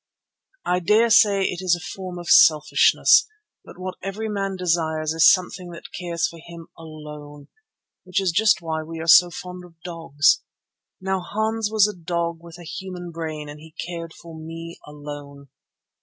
I dare say it is a form of selfishness, but what every man desires is something that cares for him alone, which is just why we are so fond of dogs. Now Hans was a dog with a human brain and he cared for me alone.